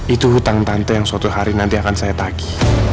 itu hutang tante yang suatu hari nanti akan saya tagi